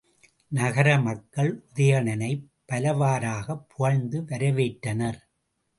நகரமக்கள் உதயணனைப் பலவாறாகப் புகழ்ந்து வரவேற்றனர்.